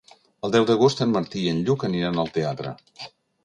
El deu d'agost en Martí i en Lluc aniran al teatre.